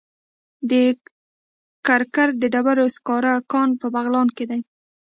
د کرکر د ډبرو سکرو کان په بغلان کې دی.